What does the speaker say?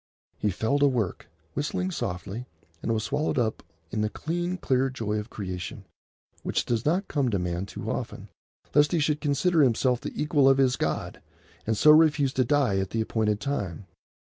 He fell to work, whistling softly, and was swallowed up in the clean, clear joy of creation, which does not come to man too often, lest he should consider himself the equal of his God, and so refuse to die at the appointed time.